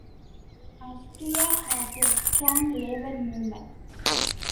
Austria has a strong labour movement.